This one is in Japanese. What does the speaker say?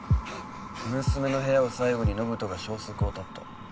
娘の部屋を最後に延人が消息を絶った。